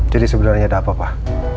jadi sebenarnya ada apa pak